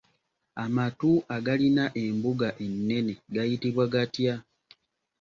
Amatu agalina embuga ennene gayitibwa gatya?